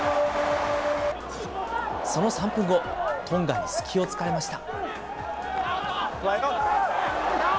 その３分後、トンガに隙をつかれました。